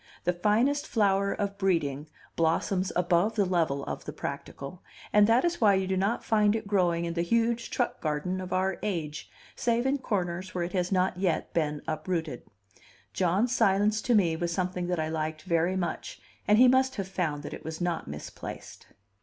The finest flower of breeding blossoms above the level of the practical, and that is why you do not find it growing in the huge truck garden of our age, save in corners where it has not yet been uprooted. John's silence to me was something that I liked very much, and he must have found that it was not misplaced.